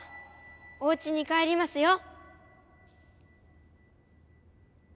おうちに帰りますよ！